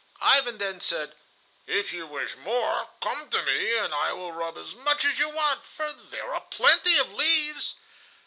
Ivan then said: "If you wish more, come to me and I will rub as much as you want, for there are plenty of leaves."